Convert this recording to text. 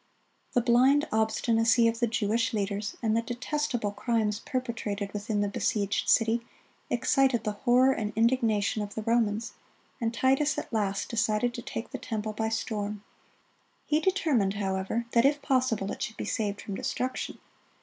The blind obstinacy of the Jewish leaders, and the detestable crimes perpetrated within the besieged city, excited the horror and indignation of the Romans, and Titus at last decided to take the temple by storm. He determined, however, that if possible it should be saved from destruction.